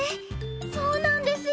そうなんですよ。